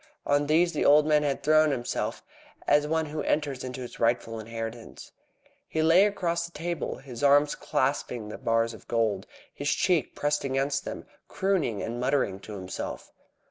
On these the old man had thrown himself, as one who enters into his rightful inheritance. He lay across the table, his arms clasping the bars of gold, his cheek pressed against them, crooning and muttering to himself.